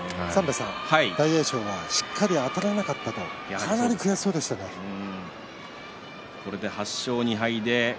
大栄翔はしっかりあたることができなかったとこれで８勝２敗。